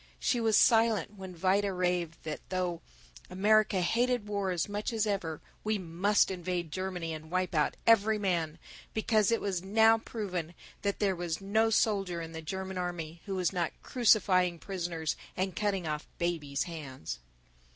She was silent when Vida raved that though America hated war as much as ever, we must invade Germany and wipe out every man, because it was now proven that there was no soldier in the German army who was not crucifying prisoners and cutting off babies' hands.